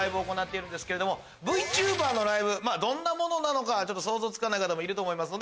ＶＴｕｂｅｒのライブどんなものなのか想像つかない方もいると思います